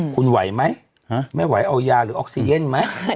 คุณไหวไหมไม่ไหวเอายาหรือออกซีเย็นไหม